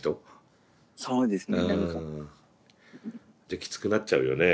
じゃあきつくなっちゃうよね